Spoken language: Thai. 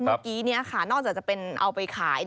เมื่อกี้นี้ค่ะนอกจากจะเป็นเอาไปขาย